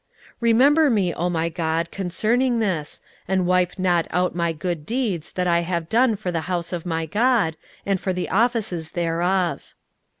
16:013:014 Remember me, O my God, concerning this, and wipe not out my good deeds that I have done for the house of my God, and for the offices thereof.